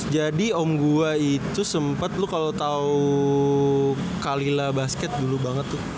jadi om gua itu sempet lu kalo tau kalila basket dulu banget tuh